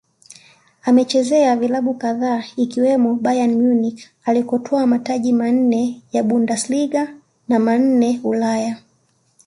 Amevichezea vilabu kadhaa ikiwemo Bayern Munich alikotwaa mataji manne ya Bundersliga na manne Ulaya